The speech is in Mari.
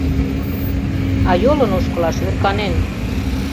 А йолын ошкылаш ӧрканен.